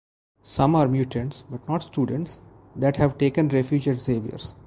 Some are mutants, but not students, that have taken refuge at Xavier's.